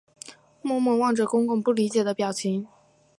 默默望着公公不理解的表情